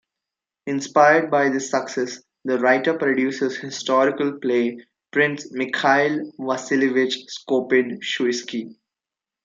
Inspired by this success, the writer produces historical play "Prince Mikhail Vasilievich Skopin-Shuysky".